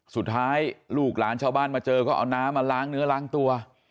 สุดท้ายลูกหลานชาวบ้านมาเจอก็เอาน้ำมาล้างเนื้อล้างตัว